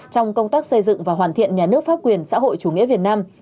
trong công tác xây dựng và hoàn thiện nhà nước pháp quyền xã hội chủ nghĩa việt nam